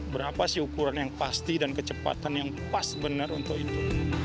berapa sih ukuran yang pasti dan kecepatan yang pas benar untuk itu